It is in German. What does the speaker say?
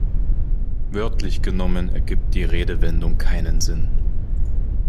Wörtlich genommen ergibt die Redewendung keinen Sinn.